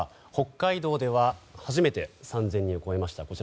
北海道では初めて３０００人を超えました。